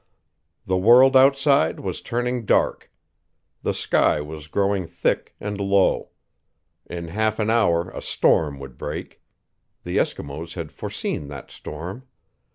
The world outside was turning dark. The sky was growing thick and low. In half an hour a storm would break. The Eskimos had foreseen that storm.